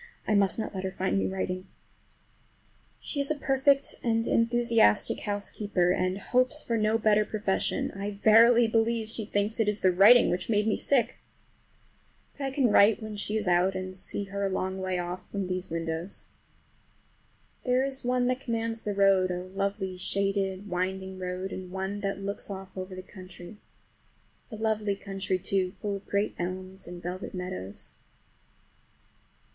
I must not let her find me writing. She is a perfect, and enthusiastic housekeeper, and hopes for no better profession. I verily believe she thinks it is the writing which made me sick! But I can write when she is out, and see her a long way off from these windows. There is one that commands the road, a lovely, shaded, winding road, and one that just looks off over the country. A lovely country, too, full of great elms and velvet meadows.